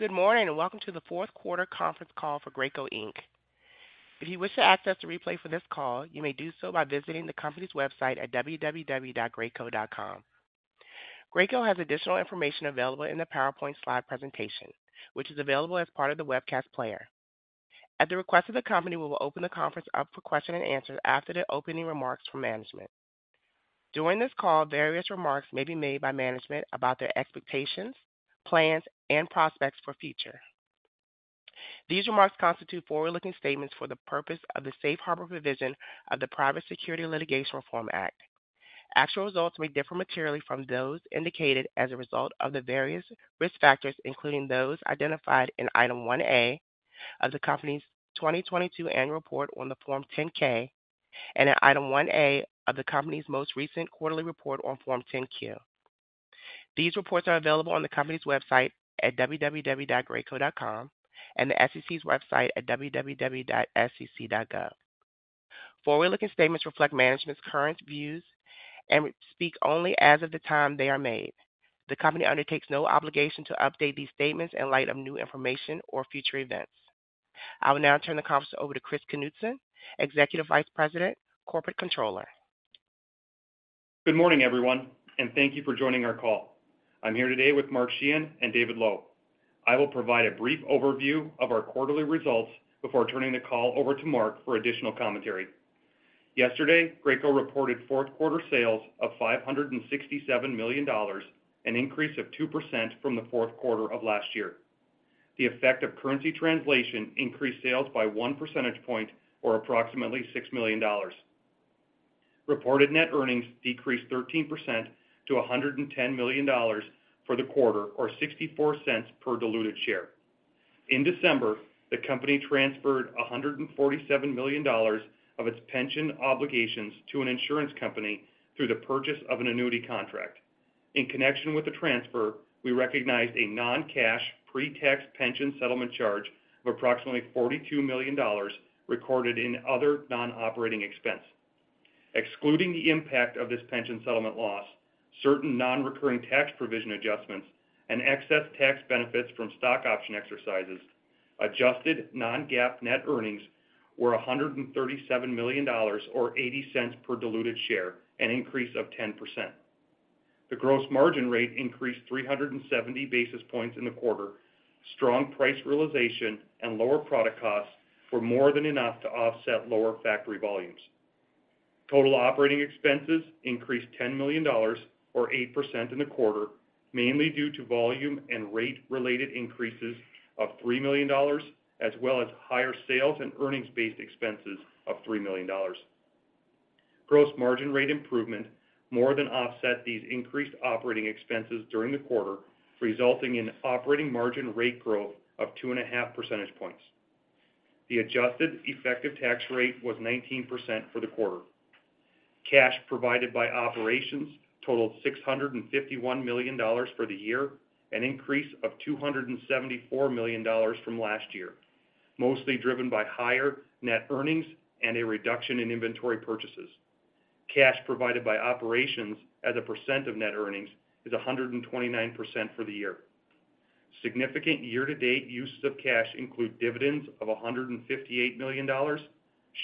Good morning, and welcome to the fourth quarter conference call for Graco Inc. If you wish to access the replay for this call, you may do so by visiting the company's website at www.graco.com. Graco has additional information available in the PowerPoint slide presentation, which is available as part of the webcast player. At the request of the company, we will open the conference up for question and answers after the opening remarks from management. During this call, various remarks may be made by management about their expectations, plans, and prospects for future. These remarks constitute forward-looking statements for the purpose of the safe harbor provision of the Private Securities Litigation Reform Act. Actual results may differ materially from those indicated as a result of the various risk factors, including those identified in Item 1A of the company's 2022 annual report on the Form 10-K and in Item 1A of the company's most recent quarterly report on Form 10-Q. These reports are available on the company's website at www.graco.com and the SEC's website at www.sec.gov. Forward-looking statements reflect management's current views and speak only as of the time they are made. The company undertakes no obligation to update these statements in light of new information or future events. I will now turn the conference over to Chris Knutson, Executive Vice President, Corporate Controller. Good morning, everyone, and thank you for joining our call. I'm here today with Mark Sheahan and David Lowe. I will provide a brief overview of our quarterly results before turning the call over to Mark for additional commentary. Yesterday, Graco reported fourth quarter sales of $567 million, an increase of 2% from the fourth quarter of last year. The effect of currency translation increased sales by one percentage point or approximately $6 million. Reported net earnings decreased 13% to $110 million for the quarter, or $0.64 per diluted share. In December, the company transferred $147 million of its pension obligations to an insurance company through the purchase of an annuity contract. In connection with the transfer, we recognized a non-cash, pre-tax pension settlement charge of approximately $42 million, recorded in other non-operating expense. Excluding the impact of this pension settlement loss, certain non-recurring tax provision adjustments and excess tax benefits from stock option exercises, adjusted non-GAAP net earnings were $137 million or $0.80 per diluted share, an increase of 10%. The gross margin rate increased 370 basis points in the quarter. Strong price realization and lower product costs were more than enough to offset lower factory volumes. Total operating expenses increased $10 million or 8% in the quarter, mainly due to volume and rate-related increases of $3 million, as well as higher sales and earnings-based expenses of $3 million. Gross margin rate improvement more than offset these increased operating expenses during the quarter, resulting in operating margin rate growth of 2.5 percentage points. The adjusted effective tax rate was 19% for the quarter. Cash provided by operations totaled $651 million for the year, an increase of $274 million from last year, mostly driven by higher net earnings and a reduction in inventory purchases. Cash provided by operations as a percent of net earnings is 129% for the year. Significant year-to-date uses of cash include dividends of $158 million,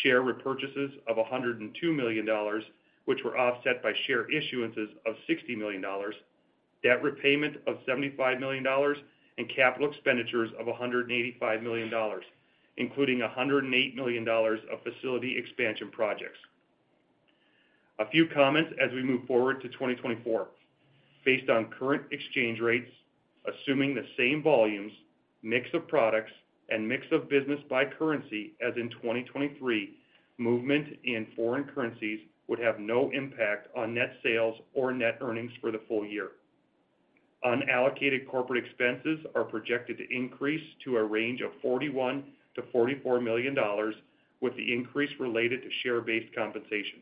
share repurchases of $102 million, which were offset by share issuances of $60 million, debt repayment of $75 million, and capital expenditures of $185 million, including $108 million of facility expansion projects. A few comments as we move forward to 2024. Based on current exchange rates, assuming the same volumes, mix of products, and mix of business by currency as in 2023, movement in foreign currencies would have no impact on net sales or net earnings for the full year. Unallocated corporate expenses are projected to increase to a range of $41 million-$44 million, with the increase related to share-based compensation.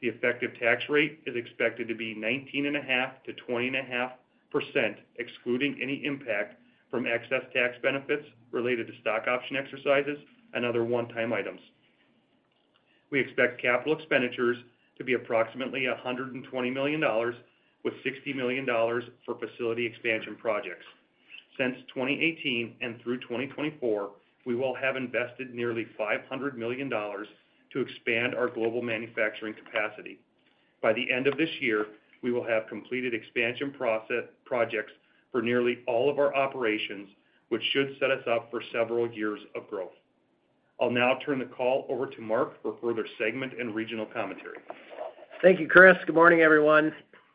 The effective tax rate is expected to be 19.5%-20.5%, excluding any impact from excess tax benefits related to stock option exercises and other one-time items. We expect capital expenditures to be approximately $120 million, with $60 million for facility expansion projects. Since 2018 and through 2024, we will have invested nearly $500 million to expand our global manufacturing capacity. By the end of this year, we will have completed expansion projects for nearly all of our operations, which should set us up for several years of growth. I'll now turn the call over to Mark for further segment and regional commentary. Thank you, Chris. Good morning, everyone.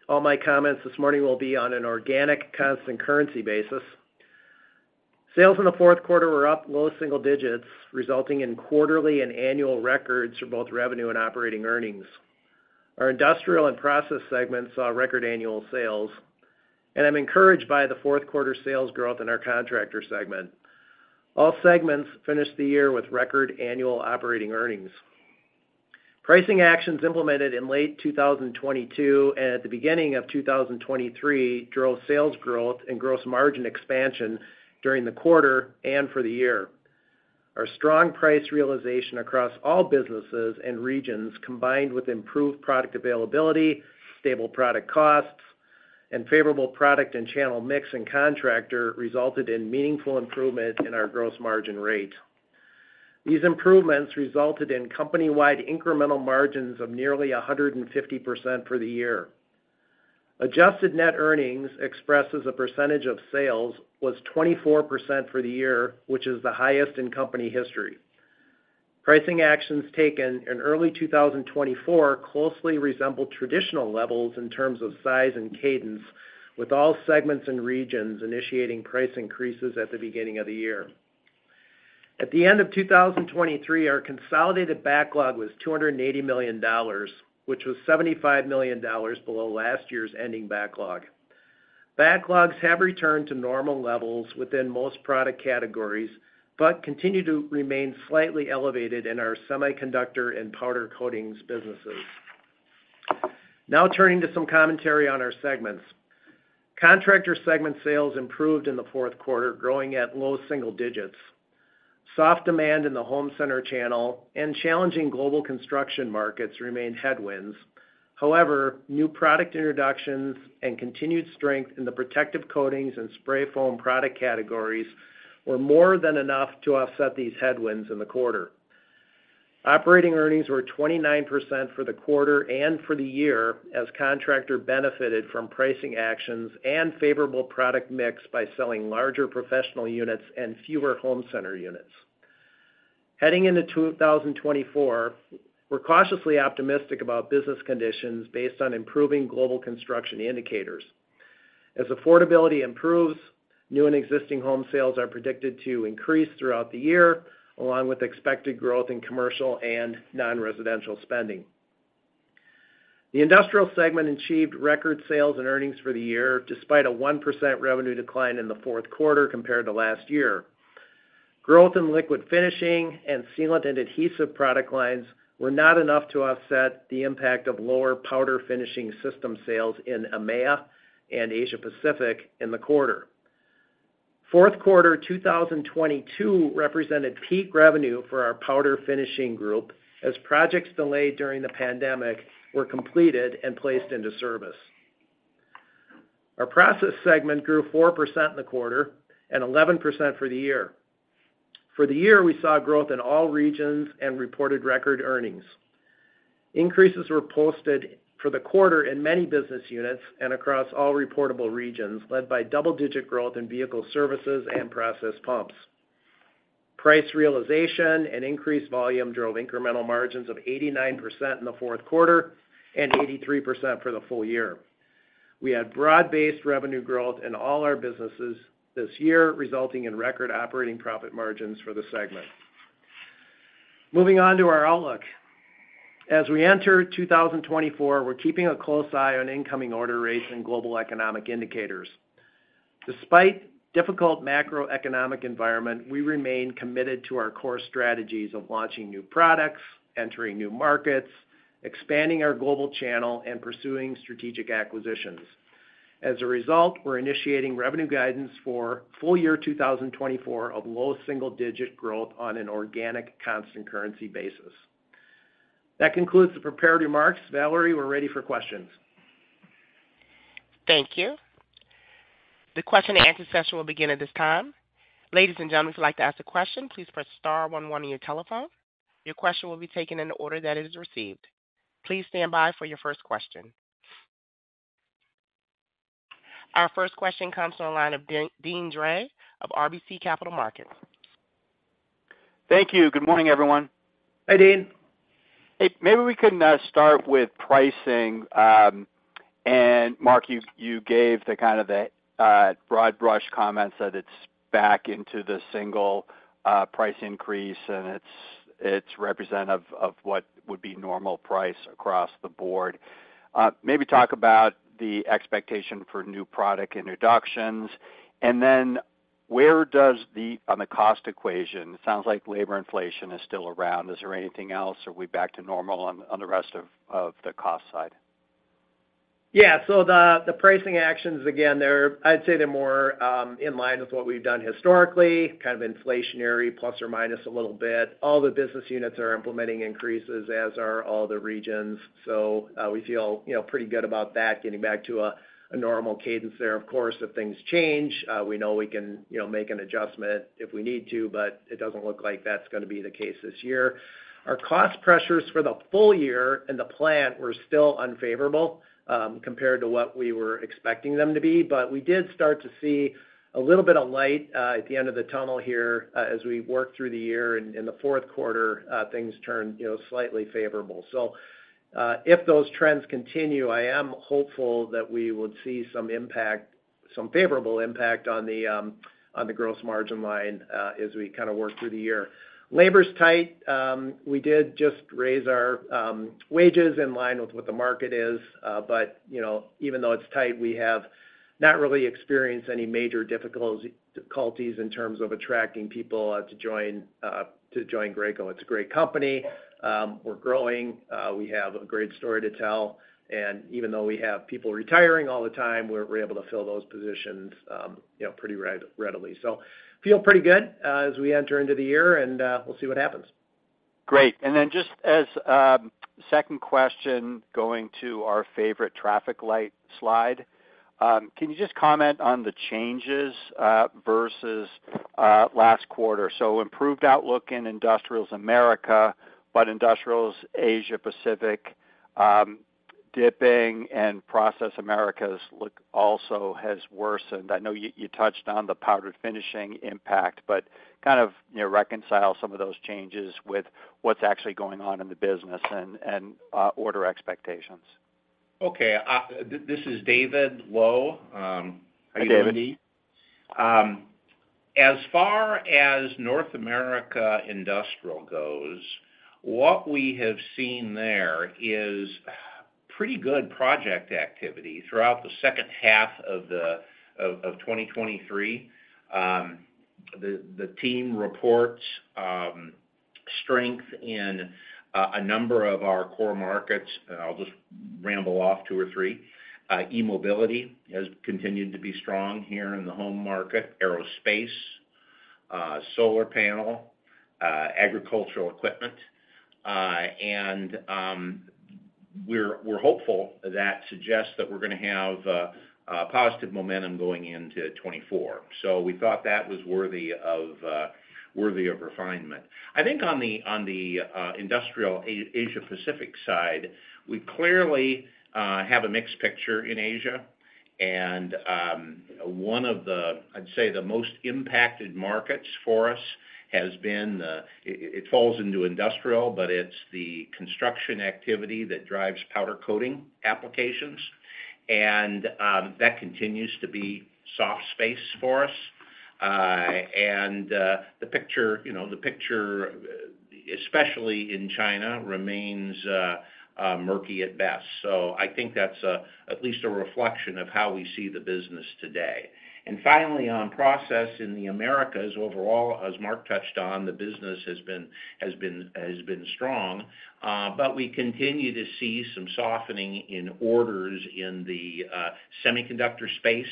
All my comments this morning will be on an organic constant currency basis. Sales in the fourth quarter were up low single digits, resulting in quarterly and annual records for both revenue and operating earnings. Our Industrial and Process segments saw record annual sales, and I'm encouraged by the fourth quarter sales growth in our Contractor segment. All segments finished the year with record annual operating earnings. Pricing actions implemented in late 2022 and at the beginning of 2023, drove sales growth and gross margin expansion during the quarter and for the year.... Our strong price realization across all businesses and regions, combined with improved product availability, stable product costs, and favorable product and channel mix in Contractor, resulted in meaningful improvement in our gross margin rate. These improvements resulted in company-wide incremental margins of nearly 150% for the year. Adjusted net earnings, expressed as a percentage of sales, was 24% for the year, which is the highest in company history. Pricing actions taken in early 2024 closely resembled traditional levels in terms of size and cadence, with all segments and regions initiating price increases at the beginning of the year. At the end of 2023, our consolidated backlog was $280 million, which was $75 million below last year's ending backlog. Backlogs have returned to normal levels within most product categories, but continue to remain slightly elevated in our semiconductor and powder coatings businesses. Now turning to some commentary on our segments. Contractor segment sales improved in the fourth quarter, growing at low single digits. Soft demand in the home center channel and challenging global construction markets remained headwinds. However, new product introductions and continued strength in the protective coatings and spray foam product categories were more than enough to offset these headwinds in the quarter. Operating earnings were 29% for the quarter and for the year, as Contractor benefited from pricing actions and favorable product mix by selling larger professional units and fewer home center units. Heading into 2024, we're cautiously optimistic about business conditions based on improving global construction indicators. As affordability improves, new and existing home sales are predicted to increase throughout the year, along with expected growth in commercial and non-residential spending. The Industrial segment achieved record sales and earnings for the year, despite a 1% revenue decline in the fourth quarter compared to last year. Growth in liquid finishing and sealant and adhesive product lines were not enough to offset the impact of lower powder finishing system sales in EMEA and Asia Pacific in the quarter. Fourth quarter 2022 represented peak revenue for our powder finishing group, as projects delayed during the pandemic were completed and placed into service. Our Process segment grew 4% in the quarter and 11% for the year. For the year, we saw growth in all regions and reported record earnings. Increases were posted for the quarter in many business units and across all reportable regions, led by double-digit growth in vehicle services and process pumps. Price realization and increased volume drove incremental margins of 89% in the fourth quarter and 83% for the full year. We had broad-based revenue growth in all our businesses this year, resulting in record operating profit margins for the segment. Moving on to our outlook. As we enter 2024, we're keeping a close eye on incoming order rates and global economic indicators. Despite difficult macroeconomic environment, we remain committed to our core strategies of launching new products, entering new markets, expanding our global channel, and pursuing strategic acquisitions. As a result, we're initiating revenue guidance for full year 2024 of low single-digit growth on an organic constant currency basis. That concludes the prepared remarks. Valerie, we're ready for questions. Thank you. The question and answer session will begin at this time. Ladies and gentlemen, if you'd like to ask a question, please press star one one on your telephone. Your question will be taken in the order that it is received. Please stand by for your first question. Our first question comes from the line of Deane Dray of RBC Capital Markets. Thank you. Good morning, everyone. Hi, Deane. Hey, maybe we can start with pricing. And Mark, you gave the kind of the broad brush comments that it's back into the single price increase, and it's representative of what would be normal price across the board. Maybe talk about the expectation for new product introductions, and then where does the on the cost equation, it sounds like labor inflation is still around. Is there anything else? Are we back to normal on the rest of the cost side? Yeah. So the pricing actions, again, they're—I'd say they're more in line with what we've done historically, kind of inflationary, plus or minus a little bit. All the business units are implementing increases, as are all the regions. So, we feel, you know, pretty good about that, getting back to a normal cadence there. Of course, if things change, we know we can, you know, make an adjustment if we need to, but it doesn't look like that's gonna be the case this year. Our cost pressures for the full year in the plant were still unfavorable, compared to what we were expecting them to be, but we did start to see a little bit of light, at the end of the tunnel here, as we worked through the year, and in the fourth quarter, things turned, you know, slightly favorable. So, if those trends continue, I am hopeful that we would see some impact, some favorable impact on the gross margin line, as we kind of work through the year. Labor's tight. We did just raise our wages in line with what the market is, but, you know, even though it's tight, we have not really experienced any major difficulties in terms of attracting people to join Graco. It's a great company. We're growing. We have a great story to tell. And even though we have people retiring all the time, we're able to fill those positions, you know, pretty readily. So feel pretty good as we enter into the year, and we'll see what happens. Great. And then just as a second question, going to our favorite traffic light slide, can you just comment on the changes versus last quarter? So improved outlook in Industrials America, but Industrials Asia Pacific dipping and Process Americas look also has worsened. I know you touched on the powdered finishing impact, but kind of, you know, reconcile some of those changes with what's actually going on in the business and order expectations. Okay. This is David Lowe. Hi, David. As far as North America Industrial goes, what we have seen there is pretty good project activity throughout the second half of 2023. The team reports strength in a number of our core markets. I'll just ramble off two or three. E-mobility has continued to be strong here in the home market, aerospace, solar panel, agricultural equipment. And we're hopeful that suggests that we're gonna have a positive momentum going into 2024. So we thought that was worthy of refinement. I think on the Industrial Asia Pacific side, we clearly have a mixed picture in Asia, and one of the, I'd say, the most impacted markets for us has been the, it falls into Industrial, but it's the construction activity that drives powder coating applications, and that continues to be soft space for us. The picture, you know, the picture, especially in China, remains murky at best. So I think that's at least a reflection of how we see the business today. Finally, on Process in the Americas, overall, as Mark touched on, the business has been strong, but we continue to see some softening in orders in the semiconductor space,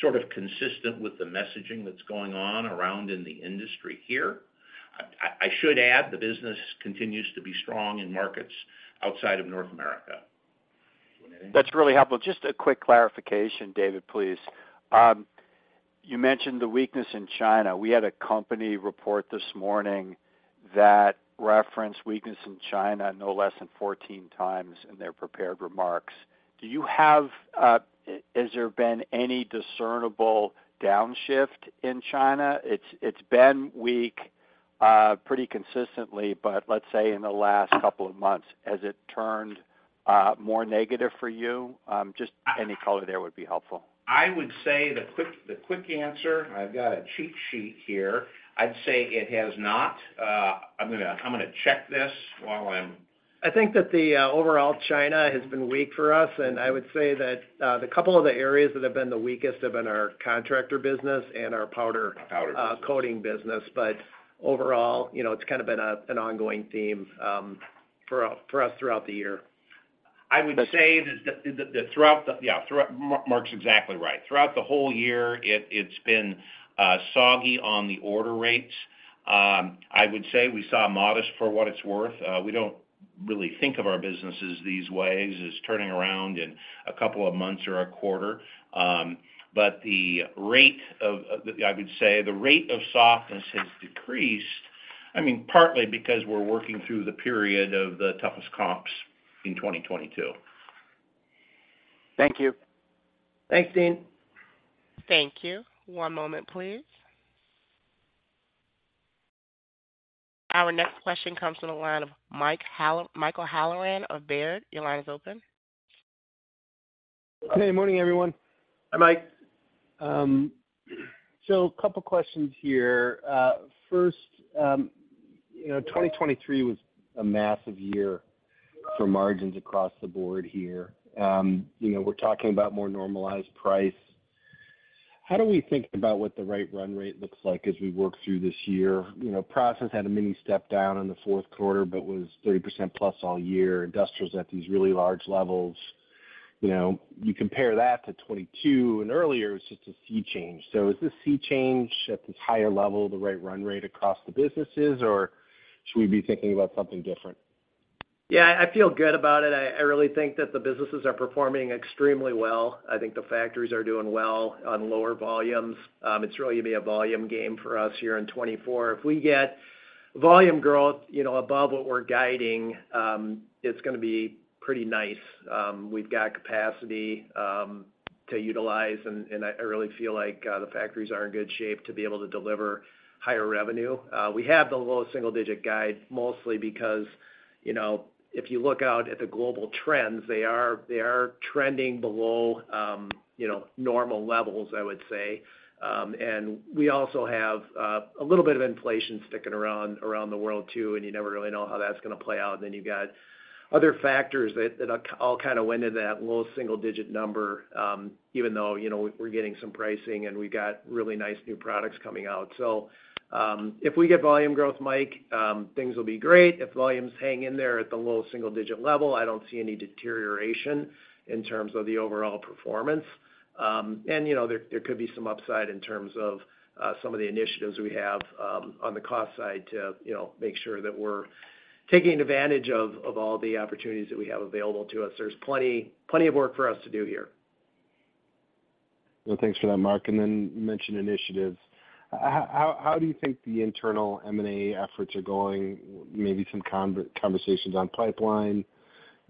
sort of consistent with the messaging that's going on around in the industry here. I should add, the business continues to be strong in markets outside of North America. That's really helpful. Just a quick clarification, David, please. You mentioned the weakness in China. We had a company report this morning that referenced weakness in China, no less than 14 times in their prepared remarks. Do you have, has there been any discernible downshift in China? It's, it's been weak, pretty consistently, but let's say in the last couple of months, has it turned, more negative for you? Just any color there would be helpful. I would say the quick answer, I've got a cheat sheet here. I'd say it has not. I'm gonna check this while I'm- I think that the overall China has been weak for us, and I would say that the couple of the areas that have been the weakest have been our Contractor business and our powder- Powder. Coating business. But overall, you know, it's kind of been an ongoing theme for us throughout the year. I would say that throughout—Mark's exactly right. Throughout the whole year, it's been soggy on the order rates. I would say we saw modest for what it's worth. We don't really think of our businesses these ways as turning around in a couple of months or a quarter. But the rate of the—I would say, the rate of softness has decreased. I mean, partly because we're working through the period of the toughest comps in 2022. Thank you. Thanks, Deane. Thank you. One moment, please. Our next question comes from the line of Mike Hall- Michael Halloran of Baird. Your line is open. Good morning, everyone. Hi, Mike. So a couple questions here. First, you know, 2023 was a massive year for margins across the board here. You know, we're talking about more normalized price. How do we think about what the right run rate looks like as we work through this year? You know, Process had a mini step down in the fourth quarter, but was 30%+ all year. Industrial's at these really large levels. You know, you compare that to 2022 and earlier, it's just a sea change. So is this sea change at this higher level, the right run rate across the businesses, or should we be thinking about something different? Yeah, I feel good about it. I really think that the businesses are performing extremely well. I think the factories are doing well on lower volumes. It's really gonna be a volume game for us here in 2024. If we get volume growth, you know, above what we're guiding, it's gonna be pretty nice. We've got capacity to utilize, and I really feel like the factories are in good shape to be able to deliver higher revenue. We have the low single digit guide, mostly because, you know, if you look out at the global trends, they are trending below, you know, normal levels, I would say. And we also have a little bit of inflation sticking around, around the world, too, and you never really know how that's gonna play out. Then you've got other factors that all kind of went into that low single digit number, even though, you know, we're getting some pricing, and we've got really nice new products coming out. So, if we get volume growth, Mike, things will be great. If volumes hang in there at the low single digit level, I don't see any deterioration in terms of the overall performance. And, you know, there could be some upside in terms of, some of the initiatives we have, on the cost side to, you know, make sure that we're taking advantage of all the opportunities that we have available to us. There's plenty of work for us to do here. Well, thanks for that, Mark. Then you mentioned initiatives. How, how do you think the internal M&A efforts are going? Maybe some conversations on pipeline,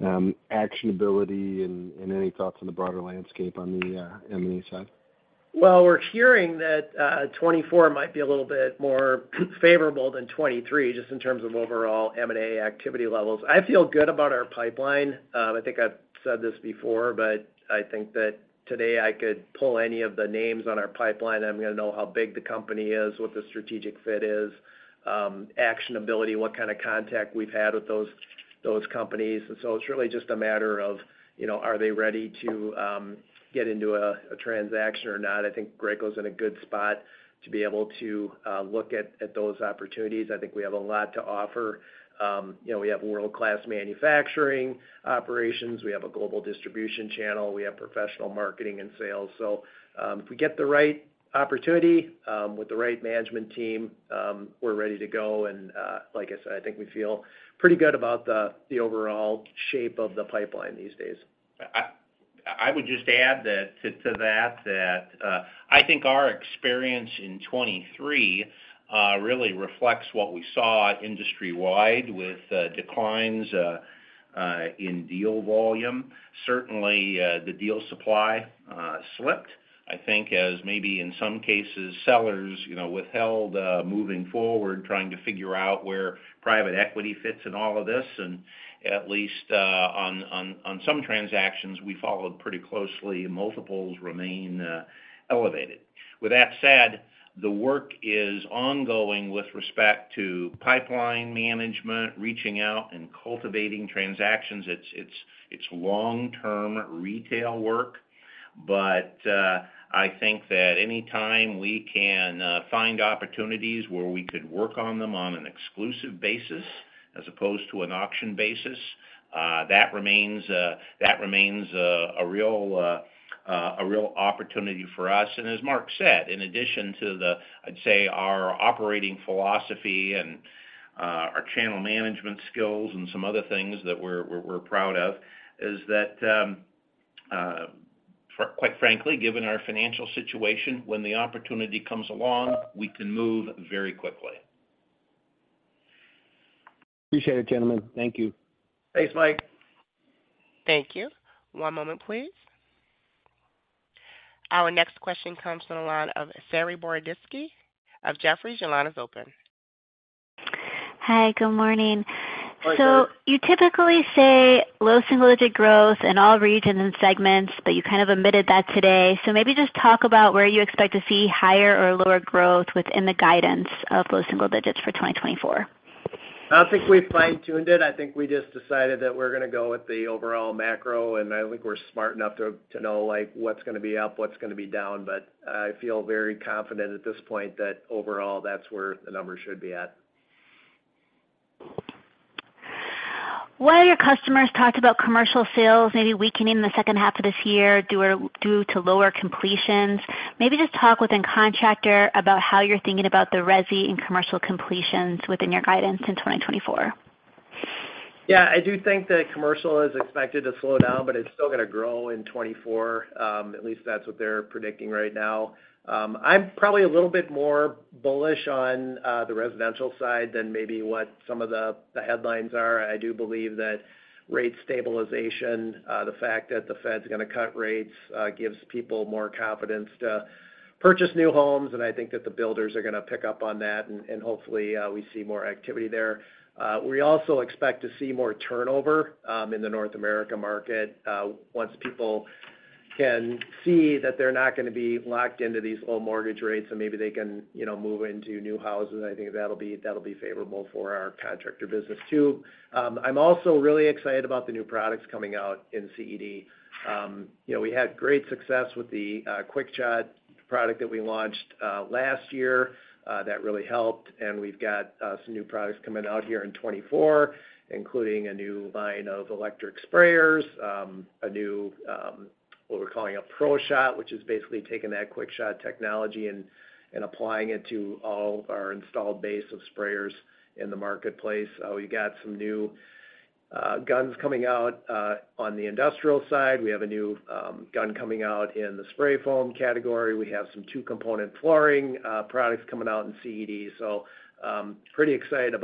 actionability, and any thoughts on the broader landscape on the M&A side? Well, we're hearing that 2024 might be a little bit more favorable than 2023, just in terms of overall M&A activity levels. I feel good about our pipeline. I think I've said this before, but I think that today I could pull any of the names on our pipeline, I'm gonna know how big the company is, what the strategic fit is, actionability, what kind of contact we've had with those, those companies. And so it's really just a matter of, you know, are they ready to get into a transaction or not? I think Graco is in a good spot to be able to look at those opportunities. I think we have a lot to offer. You know, we have world-class manufacturing operations, we have a global distribution channel, we have professional marketing and sales. So, if we get the right opportunity, with the right management team, we're ready to go. And, like I said, I think we feel pretty good about the overall shape of the pipeline these days. I would just add that to that, I think our experience in 2023 really reflects what we saw industry-wide with declines in deal volume. Certainly, the deal supply slipped. I think as maybe in some cases, sellers, you know, withheld moving forward, trying to figure out where private equity fits in all of this, and at least on some transactions we followed pretty closely, multiples remain elevated. With that said, the work is ongoing with respect to pipeline management, reaching out and cultivating transactions. It's long-term retail work, but I think that any time we can find opportunities where we could work on them on an exclusive basis as opposed to an auction basis, that remains a real opportunity for us. As Mark said, in addition to the, I'd say, our operating philosophy and our channel management skills and some other things that we're proud of, is that, quite frankly, given our financial situation, when the opportunity comes along, we can move very quickly. Appreciate it, gentlemen. Thank you. Thanks, Mike. Thank you. One moment, please. Our next question comes from the line of Saree Boroditsky of Jefferies. Your line is open. Hi, good morning. Hi, Saree. So you typically say low single-digit growth in all regions and segments, but you kind of omitted that today. So maybe just talk about where you expect to see higher or lower growth within the guidance of low single digits for 2024? I don't think we fine-tuned it. I think we just decided that we're gonna go with the overall macro, and I think we're smart enough to know, like, what's gonna be up, what's gonna be down. But I feel very confident at this point that overall, that's where the numbers should be at. One of your customers talked about commercial sales maybe weakening in the second half of this year, due to lower completions. Maybe just talk within Contractor about how you're thinking about the resi and commercial completions within your guidance in 2024. Yeah, I do think that commercial is expected to slow down, but it's still gonna grow in 2024. At least that's what they're predicting right now. I'm probably a little bit more bullish on the residential side than maybe what some of the headlines are. I do believe that rate stabilization, the fact that the Fed's gonna cut rates, gives people more confidence to purchase new homes, and I think that the builders are gonna pick up on that and hopefully we see more activity there. We also expect to see more turnover in the North America market once people can see that they're not gonna be locked into these low mortgage rates and maybe they can, you know, move into new houses. I think that'll be favorable for our Contractor business, too. I'm also really excited about the new products coming out in CED. You know, we had great success with the QuickShot product that we launched last year. That really helped. And we've got some new products coming out here in 2024, including a new line of electric sprayers, a new what we're calling a Pro-Shot, which is basically taking that QuickShot technology and applying it to all our installed base of sprayers in the marketplace. We've got some new guns coming out on the Industrial side. We have a new gun coming out in the spray foam category. We have some two-component flooring products coming out in CED. So, pretty excited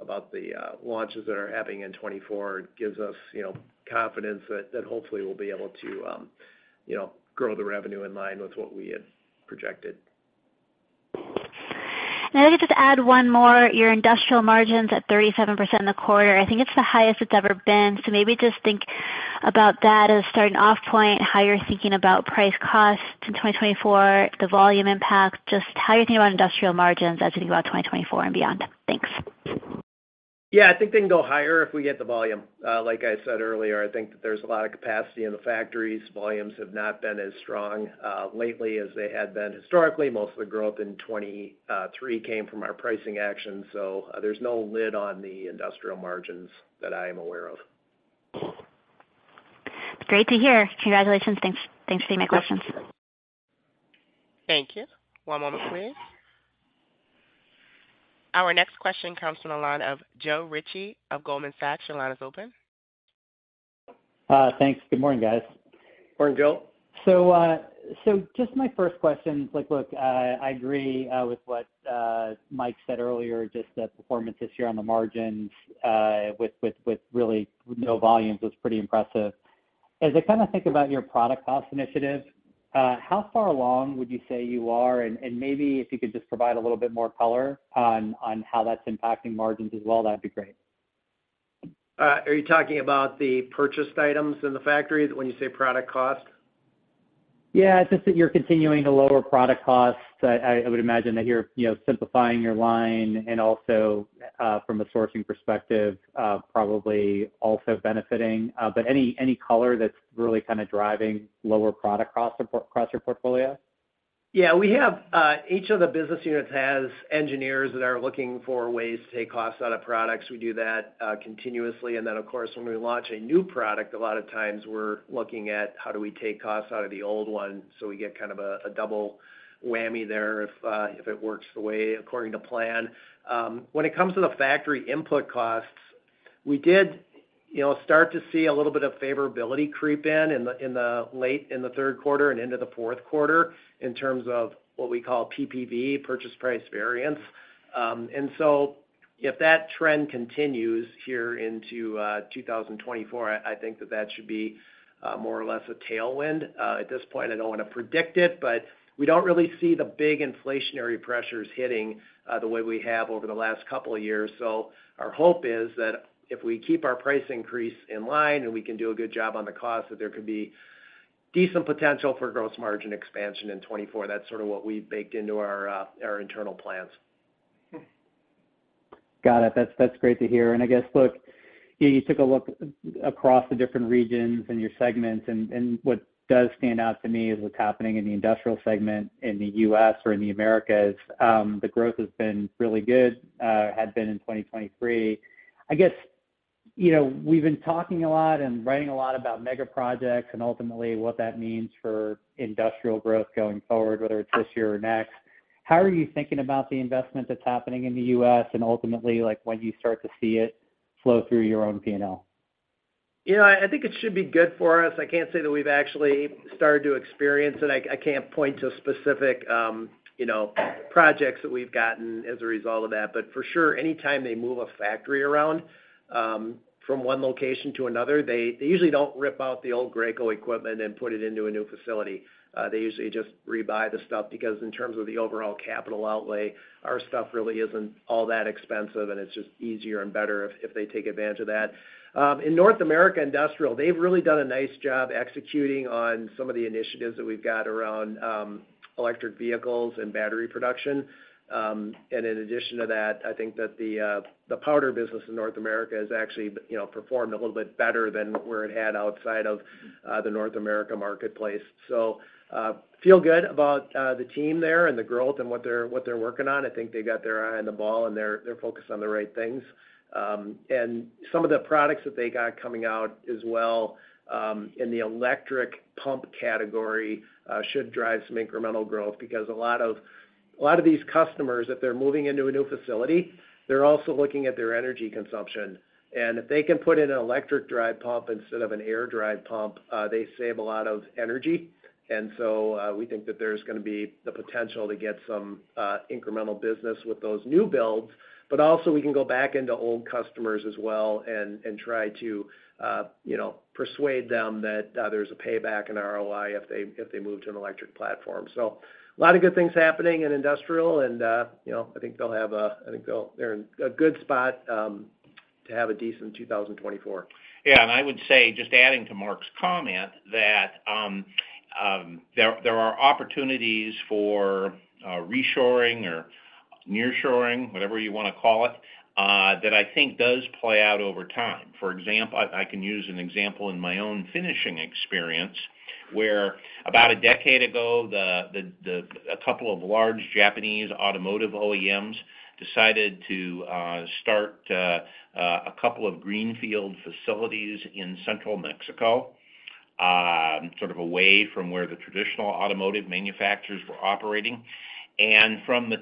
about the launches that are happening in 2024. It gives us, you know, confidence that hopefully we'll be able to, you know, grow the revenue in line with what we had projected. And I'll just add one more. Your Industrial margins at 37% in the quarter, I think it's the highest it's ever been. So maybe just think about that as a starting off point, how you're thinking about price costs in 2024, the volume impact, just how you're thinking about Industrial margins as you think about 2024 and beyond. Thanks. Yeah, I think they can go higher if we get the volume. Like I said earlier, I think that there's a lot of capacity in the factories. Volumes have not been as strong lately as they had been historically. Most of the growth in 2023 came from our pricing actions, so there's no lid on the Industrial margins that I am aware of. Great to hear. Congratulations. Thanks. Thanks for taking my questions. Thank you. One moment, please. Our next question comes from the line of Joe Ritchie of Goldman Sachs. Your line is open. Thanks. Good morning, guys. Morning, Joe. So, just my first question, like, I agree with what Mike said earlier, just the performance this year on the margins with really no volumes was pretty impressive. As I kind of think about your product cost initiative, how far along would you say you are? And maybe if you could just provide a little bit more color on how that's impacting margins as well, that'd be great. Are you talking about the purchased items in the factory when you say product cost? Yeah, just that you're continuing to lower product costs. I would imagine that you're, you know, simplifying your line and also from a sourcing perspective probably also benefiting. But any color that's really kind of driving lower product costs across your portfolio? Yeah, we have each of the business units has engineers that are looking for ways to take costs out of products. We do that continuously. And then, of course, when we launch a new product, a lot of times we're looking at how do we take costs out of the old one, so we get kind of a double whammy there if it works the way according to plan. When it comes to the factory input costs, we did, you know, start to see a little bit of favorability creep in, in the late in the third quarter and into the fourth quarter, in terms of what we call PPV, purchase price variance. And so if that trend continues here into 2024, I think that that should be more or less a tailwind. At this point, I don't want to predict it, but we don't really see the big inflationary pressures hitting the way we have over the last couple of years. So our hope is that if we keep our price increase in line and we can do a good job on the cost, that there could be decent potential for gross margin expansion in 2024. That's sort of what we've baked into our internal plans. Got it. That's, that's great to hear. And I guess, look, you took a look across the different regions and your segments, and what does stand out to me is what's happening in the Industrial segment in the U.S. or in the Americas. The growth has been really good, had been in 2023. I guess, you know, we've been talking a lot and writing a lot about mega projects and ultimately what that means for Industrial growth going forward, whether it's this year or next. How are you thinking about the investment that's happening in the U.S. and ultimately, like, when you start to see it flow through your own P&L? You know, I think it should be good for us. I can't say that we've actually started to experience it. I can't point to specific, you know, projects that we've gotten as a result of that. But for sure, anytime they move a factory around, from one location to another, they usually don't rip out the old Graco equipment and put it into a new facility. They usually just rebuy the stuff, because in terms of the overall capital outlay, our stuff really isn't all that expensive, and it's just easier and better if they take advantage of that. In North America Industrial, they've really done a nice job executing on some of the initiatives that we've got around electric vehicles and battery production. And in addition to that, I think that the powder business in North America has actually, you know, performed a little bit better than where it had outside of the North America marketplace. So, feel good about the team there and the growth and what they're working on. I think they got their eye on the ball and they're focused on the right things. And some of the products that they got coming out as well, in the electric pump category, should drive some incremental growth because a lot of these customers, if they're moving into a new facility, they're also looking at their energy consumption. And if they can put in an electric drive pump instead of an air drive pump, they save a lot of energy. And so, we think that there's gonna be the potential to get some incremental business with those new builds, but also we can go back into old customers as well and try to, you know, persuade them that there's a payback in ROI if they move to an electric platform. So a lot of good things happening in Industrial and, you know, I think they'll have a... they're in a good spot to have a decent 2024. Yeah, and I would say, just adding to Mark's comment, that there are opportunities for reshoring or nearshoring, whatever you wanna call it, that I think does play out over time. For example, I can use an example in my own finishing experience, where about a decade ago, a couple of large Japanese automotive OEMs decided to start a couple of greenfield facilities in central Mexico, sort of away from where the traditional automotive manufacturers were operating. And the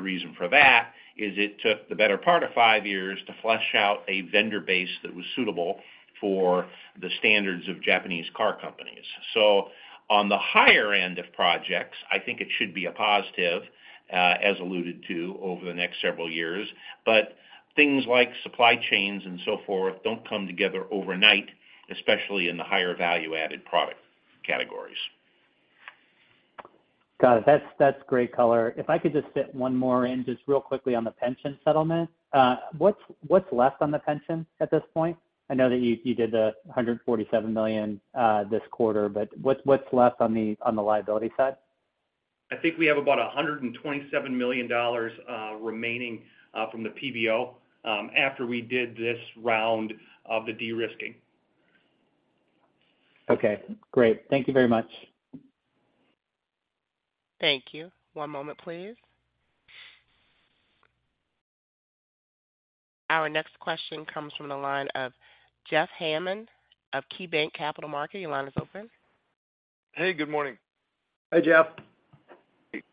reason for that is it took the better part of five years to flesh out a vendor base that was suitable for the standards of Japanese car companies. So on the higher end of projects, I think it should be a positive, as alluded to over the next several years, but things like supply chains and so forth don't come together overnight, especially in the higher value-added product categories. Got it. That's great color. If I could just fit one more in, just real quickly on the pension settlement. What's left on the pension at this point? I know that you did the $147 million this quarter, but what's left on the liability side? I think we have about $127 million remaining from the PBO after we did this round of the de-risking. Okay, great. Thank you very much. Thank you. One moment, please. Our next question comes from the line of Jeff Hammond of KeyBanc Capital Markets. Your line is open. Hey, good morning. Hi, Jeff.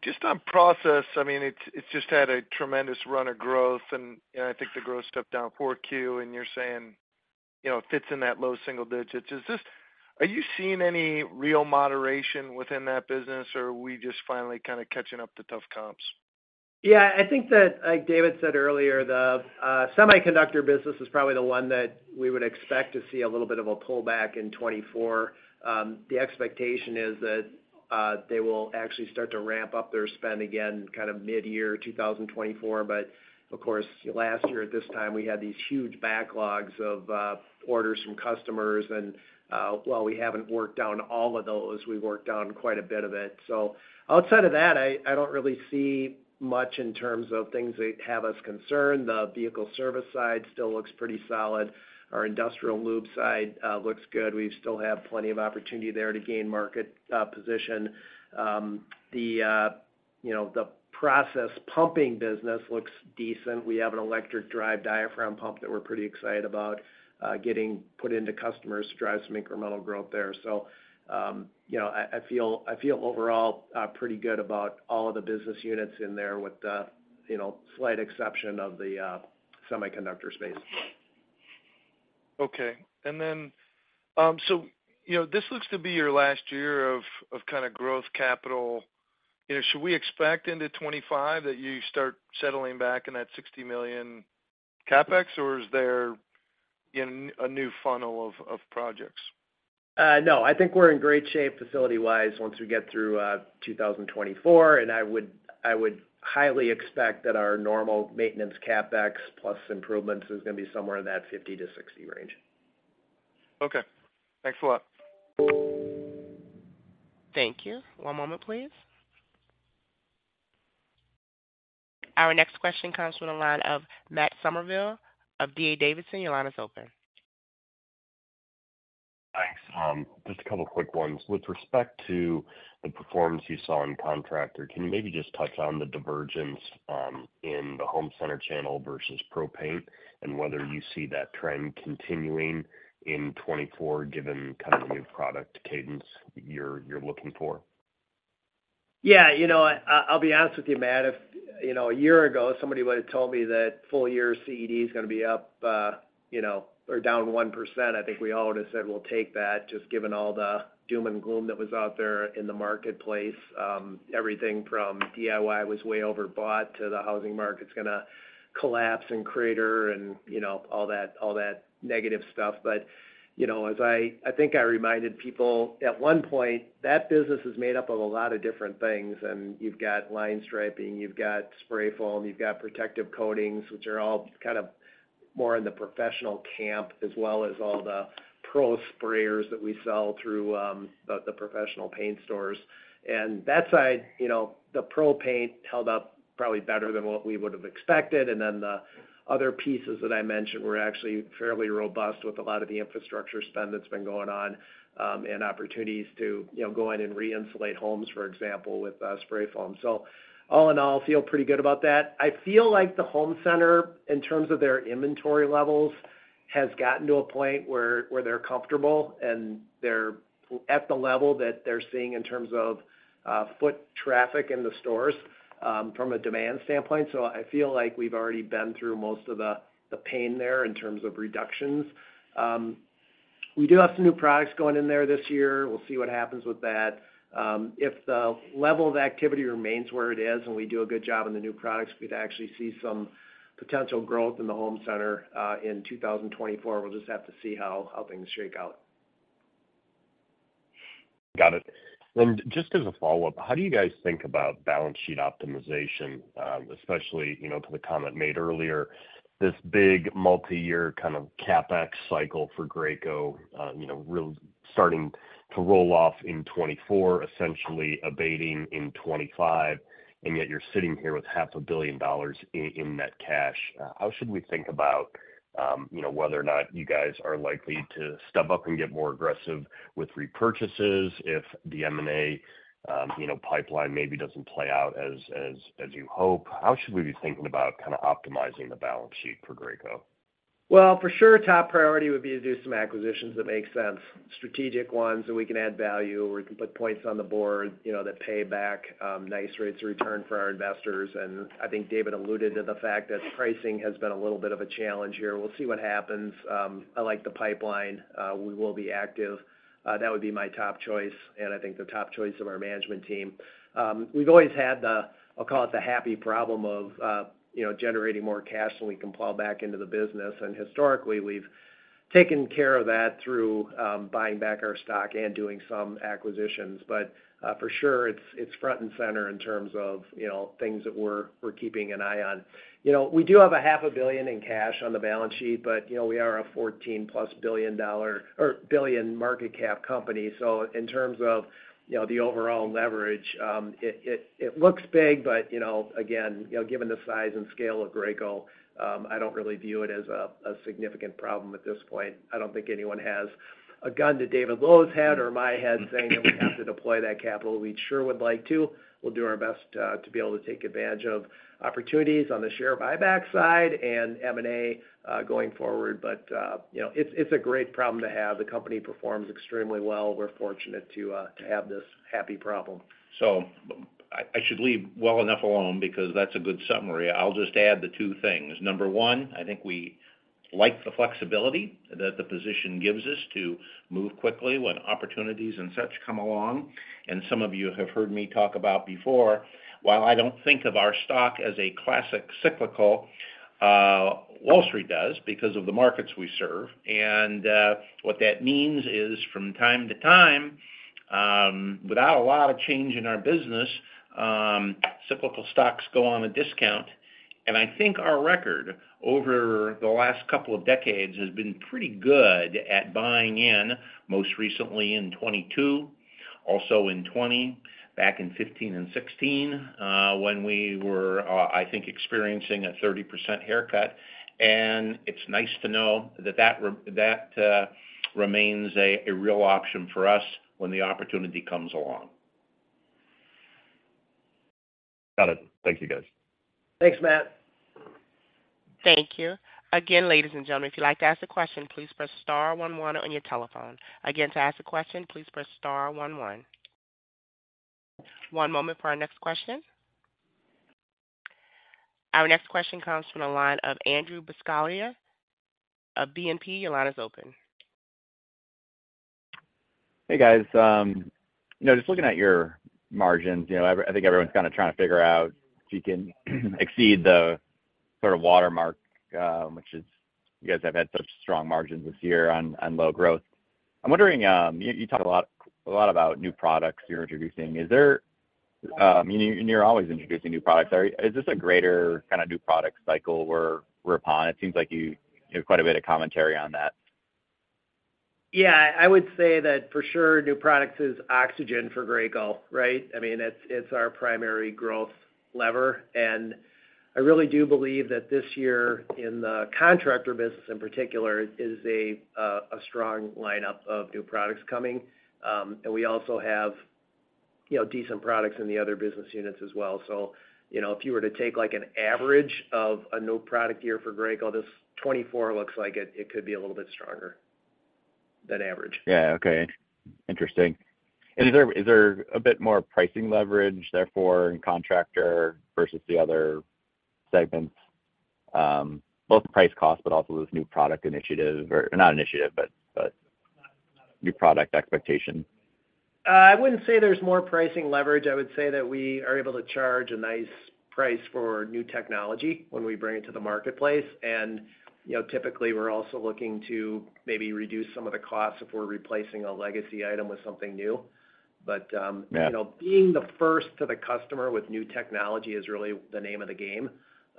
Just on Process, I mean, it's just had a tremendous run of growth, and I think the growth stepped down Q4, and you're saying, you know, it fits in that low single digits. Is this-- are you seeing any real moderation within that business, or are we just finally kind of catching up to tough comps? Yeah, I think that, like David said earlier, the semiconductor business is probably the one that we would expect to see a little bit of a pullback in 2024. The expectation is that they will actually start to ramp up their spend again, kind of mid-year 2024. But of course, last year at this time, we had these huge backlogs of orders from customers, and while we haven't worked down all of those, we worked down quite a bit of it. So outside of that, I don't really see much in terms of things that have us concerned. The vehicle service side still looks pretty solid. Our Industrial lube side looks good. We still have plenty of opportunity there to gain market position. You know, the Process pumping business looks decent. We have an electric drive diaphragm pump that we're pretty excited about, getting put into customers to drive some incremental growth there. So, you know, I, I feel, I feel overall, pretty good about all of the business units in there with the, you know, slight exception of the, semiconductor space. Okay. And then, so, you know, this looks to be your last year of kind of growth capital. You know, should we expect into 2025 that you start settling back in that $60 million CapEx, or is there in a new funnel of projects? No, I think we're in great shape, facility-wise, once we get through 2024, and I would, I would highly expect that our normal maintenance CapEx plus improvements is gonna be somewhere in that $50million-$60 million range. Okay. Thanks a lot. Thank you. One moment, please. Our next question comes from the line of Matt Summerville of D.A. Davidson. Your line is open. Thanks. Just a couple of quick ones. With respect to the performance you saw in Contractor, can you maybe just touch on the divergence in the home center channel versus pro paint and whether you see that trend continuing in 2024, given kind of the new product cadence you're, you're looking for? Yeah, you know, I, I'll be honest with you, Matt, if, you know, a year ago, somebody would have told me that full year CED is gonna be up, you know, or down 1%, I think we all would have said, we'll take that, just given all the doom and gloom that was out there in the marketplace. Everything from DIY was way overbought to the housing market's gonna collapse and crater and, you know, all that, all that negative stuff. But, you know, as I—I think I reminded people at one point, that business is made up of a lot of different things, and you've got line striping, you've got spray foam, you've got protective coatings, which are all kind of more in the professional camp, as well as all the pro sprayers that we sell through, the professional paint stores. And that side, you know, the pro paint held up probably better than what we would have expected. And then the other pieces that I mentioned were actually fairly robust with a lot of the infrastructure spend that's been going on, and opportunities to, you know, go in and re-insulate homes, for example, with spray foam. So all in all, feel pretty good about that. I feel like the home center, in terms of their inventory levels, has gotten to a point where they're comfortable, and they're at the level that they're seeing in terms of foot traffic in the stores from a demand standpoint. So I feel like we've already been through most of the pain there in terms of reductions. We do have some new products going in there this year. We'll see what happens with that. If the level of activity remains where it is and we do a good job in the new products, we'd actually see some potential growth in the home center in 2024. We'll just have to see how things shake out. Got it. And just as a follow-up, how do you guys think about balance sheet optimization? Especially, you know, to the comment made earlier, this big multi-year kind of CapEx cycle for Graco, you know, really starting to roll off in 2024, essentially abating in 2025, and yet you're sitting here with $500 million in net cash. How should we think about, you know, whether or not you guys are likely to step up and get more aggressive with repurchases if the M&A, you know, pipeline maybe doesn't play out as you hope? How should we be thinking about kind of optimizing the balance sheet for Graco? Well, for sure, top priority would be to do some acquisitions that make sense, strategic ones, so we can add value, or we can put points on the board, you know, that pay back, nice rates of return for our investors. And I think David alluded to the fact that pricing has been a little bit of a challenge here. We'll see what happens. I like the pipeline. We will be active. That would be my top choice, and I think the top choice of our management team. We've always had the, I'll call it the happy problem of, you know, generating more cash than we can plow back into the business. And historically, we've taken care of that through buying back our stock and doing some acquisitions. But for sure, it's front and center in terms of, you know, things that we're keeping an eye on. You know, we do have $500 million in cash on the balance sheet, but, you know, we are a 14+ billion dollar or billion market cap company. So in terms of, you know, the overall leverage, it looks big, but, you know, again, you know, given the size and scale of Graco, I don't really view it as a significant problem at this point. I don't think anyone has a gun to David Lowe's head or my head saying that we have to deploy that capital. We sure would like to. We'll do our best to be able to take advantage of opportunities on the share buyback side and M&A going forward. But, you know, it's a great problem to have. The company performs extremely well. We're fortunate to have this happy problem. So, I should leave well enough alone because that's a good summary. I'll just add the two things. Number one, I think we like the flexibility that the position gives us to move quickly when opportunities and such come along. And some of you have heard me talk about before, while I don't think of our stock as a classic cyclical, Wall Street does because of the markets we serve. And, what that means is, from time to time, without a lot of change in our business, cyclical stocks go on a discount. I think our record over the last couple of decades has been pretty good at buying in, most recently in 2022, also in 2020, back in 2015 and 2016, when we were, I think experiencing a 30% haircut. It's nice to know that that remains a real option for us when the opportunity comes along. Got it. Thank you, guys. Thanks, Matt. Thank you. Again, ladies and gentlemen, if you'd like to ask a question, please press star one one on your telephone. Again, to ask a question, please press star one one. One moment for our next question. Our next question comes from the line of Andrew Buscaglia of BNP. Your line is open. Hey, guys. You know, just looking at your margins, you know, I think everyone's kind of trying to figure out if you can exceed the sort of watermark, which is, you guys have had such strong margins this year on low growth. I'm wondering, you talked a lot about new products you're introducing. You're always introducing new products. Is this a greater kind of new product cycle we're upon? It seems like you have quite a bit of commentary on that. Yeah, I would say that for sure, new products is oxygen for Graco, right? I mean, it's our primary growth lever. And I really do believe that this year, in the Contractor business in particular, is a strong lineup of new products coming. And we also have, you know, decent products in the other business units as well. So, you know, if you were to take, like, an average of a new product year for Graco, this 2024 looks like it could be a little bit stronger than average. Yeah. Okay. Interesting. And is there a bit more pricing leverage, therefore, in Contractor versus the other segments, both price cost, but also this new product initiative or... Not initiative, but new product expectation? I wouldn't say there's more pricing leverage. I would say that we are able to charge a nice price for new technology when we bring it to the marketplace. And, you know, typically, we're also looking to maybe reduce some of the costs if we're replacing a legacy item with something new. But, Yeah.... you know, being the first to the customer with new technology is really the name of the game.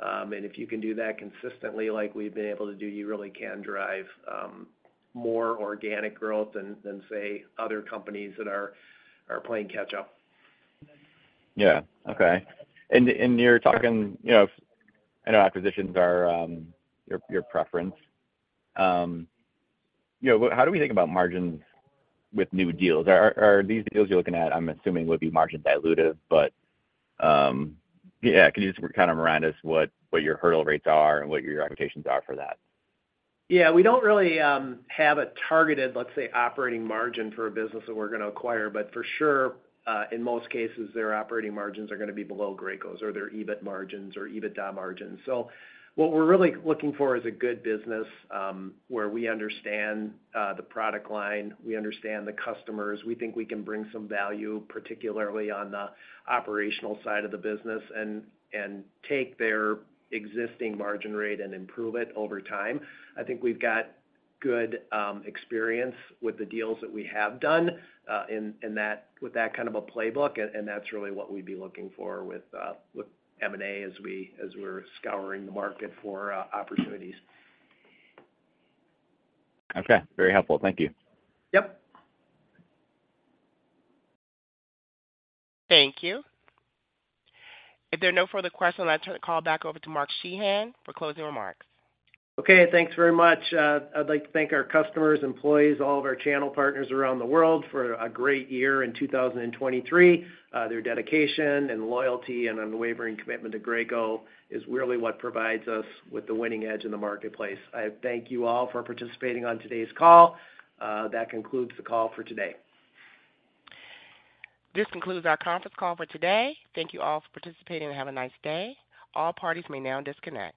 And if you can do that consistently, like we've been able to do, you really can drive more organic growth than, say, other companies that are playing catch-up. Yeah. Okay. And you're talking, you know, I know acquisitions are your preference. You know, how do we think about margins with new deals? Are these deals you're looking at, I'm assuming, would be margin dilutive, but yeah, can you just kind of remind us what your hurdle rates are and what your expectations are for that? Yeah. We don't really have a targeted, let's say, operating margin for a business that we're going to acquire, but for sure, in most cases, their operating margins are going to be below Graco's or their EBIT margins or EBITDA margins. So what we're really looking for is a good business, where we understand the product line, we understand the customers. We think we can bring some value, particularly on the operational side of the business, and take their existing margin rate and improve it over time. I think we've got good experience with the deals that we have done, and with that kind of a playbook, and that's really what we'd be looking for with M&A as we're scouring the market for opportunities. Okay. Very helpful. Thank you. Yep. Thank you. If there are no further questions, I'll turn the call back over to Mark Sheahan for closing remarks. Okay. Thanks very much. I'd like to thank our customers, employees, all of our channel partners around the world for a great year in 2023. Their dedication and loyalty and unwavering commitment to Graco is really what provides us with the winning edge in the marketplace. I thank you all for participating on today's call. That concludes the call for today. This concludes our conference call for today. Thank you all for participating and have a nice day. All parties may now disconnect.